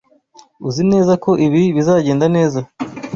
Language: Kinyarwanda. Uzi neza ko ibi bizagenda neza?